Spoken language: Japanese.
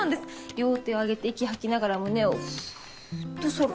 両手を上げて息吐きながら胸をふぅと反る。